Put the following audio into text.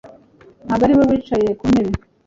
Ntabwo ari we wicaye ku ntebe